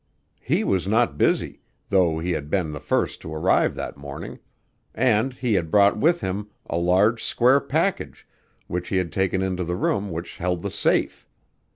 He was not busy, though he had been the first to arrive that morning; and he had brought with him a large square package which he had taken into the room which held the safe.